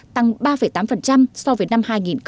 tăng ba tám so với năm hai nghìn một mươi bảy